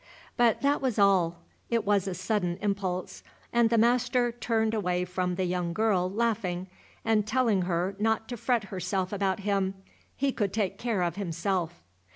But that was all; it was a sudden impulse; and the master turned away from the young girl, laughing, and telling her not to fret herself about him, he would take care of himself.